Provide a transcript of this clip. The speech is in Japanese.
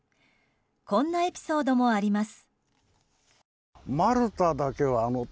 こんなエピソードもあります。